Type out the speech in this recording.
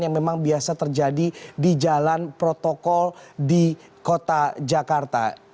yang memang biasa terjadi di jalan protokol di kota jakarta